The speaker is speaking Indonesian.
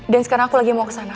dan sekarang aku lagi mau ke sana